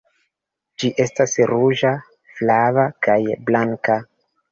Ĝi estas ruĝa, flava, kaj blanka.